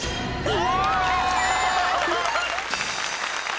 うわ！